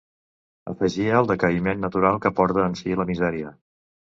Afegia el decaïment natural que porta en si la misèria